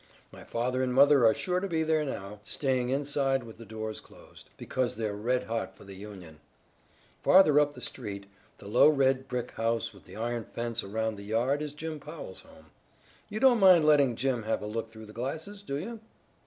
My father and mother are sure to be there now, staying inside with the doors closed, because they're red hot for the Union. Farther up the street, the low red brick house with the iron fence around the yard is Jim Powell's home. You don't mind letting Jim have a look through the glasses, do you?"